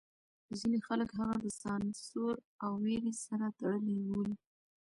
ځینې خلک هغه د سانسور او وېرې سره تړلی بولي.